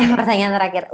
pertanyaan terakhir nih